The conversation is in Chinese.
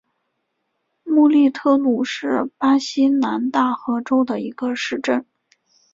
穆利特努是巴西南大河州的一个市镇。